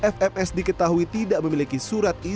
fms diketahui tidak memiliki surat izin